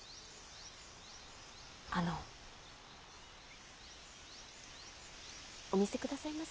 あのお見せくださいませ。